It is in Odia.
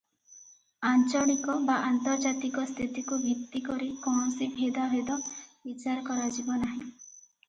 ଆଞ୍ଚଳିକ ବା ଆନ୍ତର୍ଜାତିକ ସ୍ଥିତିକୁ ଭିତ୍ତି କରି କୌଣସି ଭେଦାଭେଦ ବିଚାର କରାଯିବ ନାହିଁ ।